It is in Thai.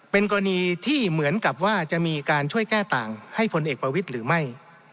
เป็นกรณีที่เหมือนกับว่าจะมีการช่วยแก้ต่างให้พลเอกประวิทย์หรือไม่